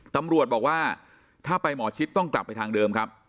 ตำรวจบอกว่าถ้าไปหมอชิดต้องกลับไปทางเดิมครับ